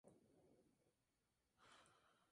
E. Lleida.